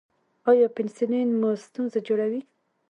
ایا پنسلین مو ستونزه جوړوي؟